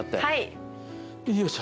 はい。